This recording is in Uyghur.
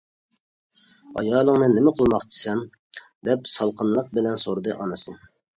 ئايالىڭنى نېمە قىلماقچىسەن؟ دەپ سالقىنلىق بىلەن سورىدى ئانىسى.